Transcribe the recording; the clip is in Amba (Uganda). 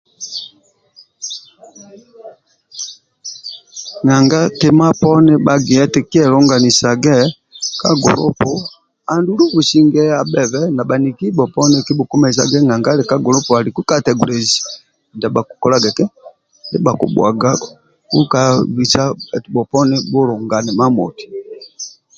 Nanga kima poni bhagia eti kielunganisage ka gulupu andulu businge abhebe na bhaniki bhoponi kibhukumesaga na ga ka gulupu aliku kategolizi ndia bhakololagq eki ndia bhakibhuaga eti bhopni bhulungane imamoti